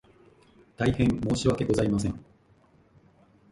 大変申し訳ございません